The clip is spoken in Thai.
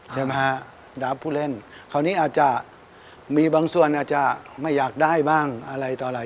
ใช่ไหมฮะดาบผู้เล่นคราวนี้อาจจะมีบางส่วนอาจจะไม่อยากได้บ้างอะไรต่ออะไร